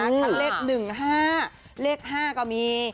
ถัดเลขหนึ่งห้าเหล็กห้าก็มี